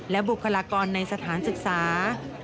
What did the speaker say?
และบุคลากรในสถานศึกษา